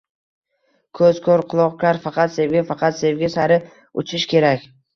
Ko‘z ko‘r, quloq kar… Faqat sevgi… faqat sevgi sari uchish kerak